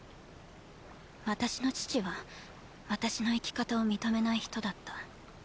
私の父は私の生き方を認めない人だった。